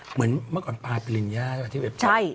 เหมือนเมื่อก่อนปลาปริลินยาที่ไปปล่อย